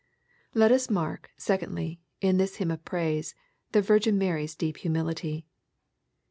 Let us mark, secondly, in this hymn of praise, the Virgin Mary's deep humility.